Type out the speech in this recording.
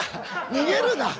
逃げるな！